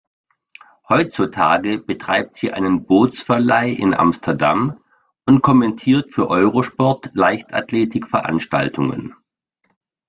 Heutzutage betreibt sie einen Bootsverleih in Amsterdam und kommentiert für Eurosport Leichtathletik-Veranstaltungen.